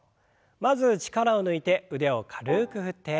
まず力を抜いて腕を軽く振って。